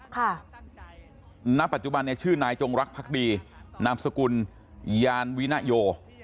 ค่ะณปัจจุบันชื่อนายจงรักพรรคดีนามสกุลยานวินโย